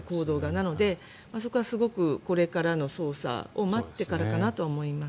なので、そこはすごくこれからの捜査を待ってからかなと思います。